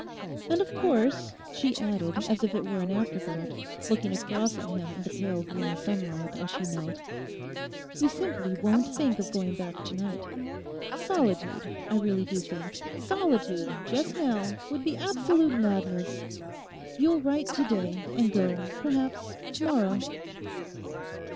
'And, of course,' she added, as if it were an afterthought, looking across at him in the pale green sunlight as she knelt, 'you simply won't think of going back to night.... Solitude, I really do think, solitude just now would be absolute madness. You'll write to day and go, perhaps, to morrow!